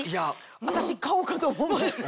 私買おうかと思うもん